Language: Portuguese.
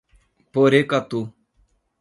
Porecatu